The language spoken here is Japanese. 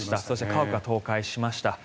家屋が倒壊しました。